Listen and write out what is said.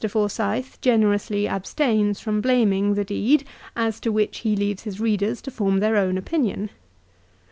Forsyth generously abstains from blaming the deed as to which he leaves his readers to form their own opinion.